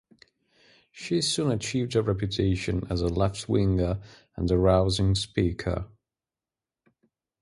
She soon achieved a reputation as a left-winger and a rousing speaker.